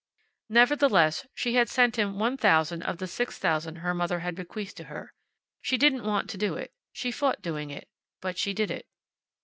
Nevertheless she had sent him one thousand of the six thousand her mother had bequeathed to her. She didn't want to do it. She fought doing it. But she did it.